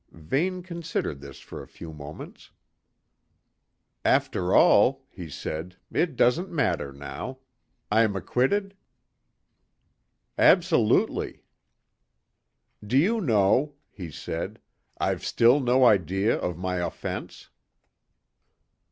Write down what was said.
Vane considered this for a few moments. "After all," he said, "it doesn't matter now. I'm acquitted?" "Absolutely." "Do you know," he said, "I've still no idea of my offence?"